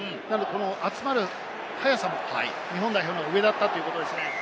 集まる速さも日本代表の方が上だったということですね。